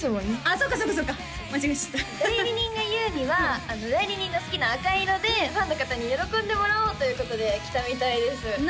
そっかそっかそっか間違えちゃった代理人が言うには代理人の好きな赤色でファンの方に喜んでもらおうということで着たみたいですなるほどね